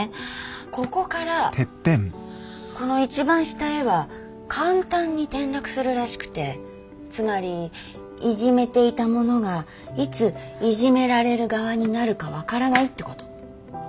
ここからこの一番下へは簡単に転落するらしくてつまりいじめていた者がいついじめられる側になるか分からないってこと。